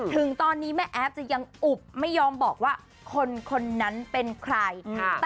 ถึงตอนนี้แม่แอฟจะยังอุบไม่ยอมบอกว่าคนนั้นเป็นใคร